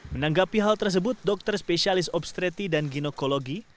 menanggapi hal tersebut dokter spesialis obstreti dan ginekologi